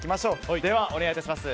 では、お願いします。